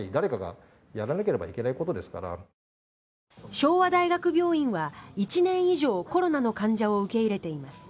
昭和大学病院は１年以上コロナの患者を受け入れています。